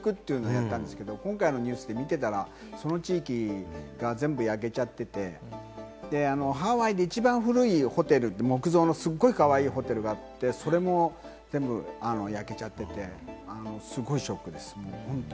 それを探しに行くというのをやったんですけれども、今回のニュースで見てたら、その地域が全部焼けちゃってて、ハワイで一番古いホテル、木造のかわいいホテルがあってそれも全部焼けちゃってて、すごいショックです。